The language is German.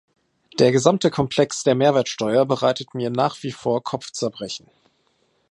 Der gesamte Komplex der Mehrwertsteuer bereitet mir nach wie vor Kopfzerbrechen.